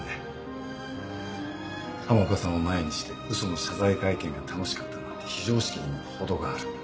浜岡さんを前にして嘘の謝罪会見が楽しかったなんて非常識にも程がある。